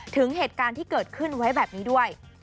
ถึงเหตุการณ์ที่เกิดขึ้นไว้แบบนี้ด้วย